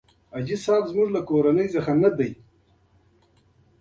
حاجي صاحب زموږ کورنۍ سره مناسبات لرل.